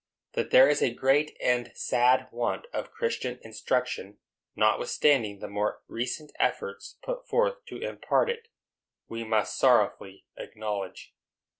That there is a great and sad want of Christian instruction, notwithstanding the more recent efforts put forth to impart it, we most sorrowfully acknowledge.